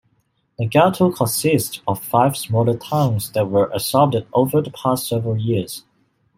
Nagato consists of five smaller towns that were absorbed over the past several years.